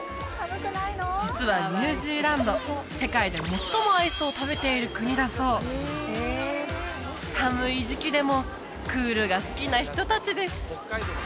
実はニュージーランド世界で最もアイスを食べている国だそう寒い時期でもクールが好きな人達です